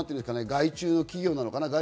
外注の企業なのかな？